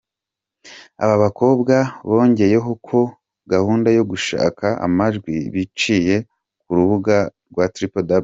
Aba bakobwa bongeyeho ko “Gahunda yo gushaka amajwi biciye ku rubuga www.